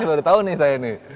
ini baru tau nih saya nih